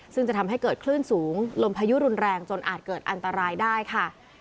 ซึ่งจะทำให้เกิดคลื่นสูงลมพายุรุนแรงจนอาจเกิดอันตรายได้ค่ะ